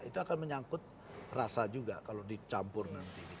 itu akan menyangkut rasa juga kalau dicampur nanti